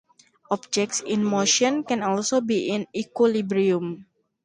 Objects in motion can also be in equilibrium.